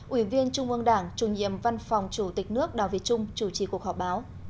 ủy viên trung ương đảng chủ nhiệm văn phòng chủ tịch nước đào việt trung chủ trì cuộc họp báo